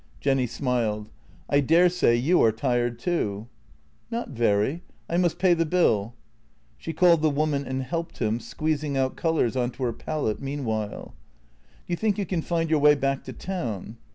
Jenny smiled. " I daresay you are tired too." " Not very — I must pay the bill." She called the woman and helped him, squeezing out colours on to her palette meanwhile. " Do you think you can find your way back to town?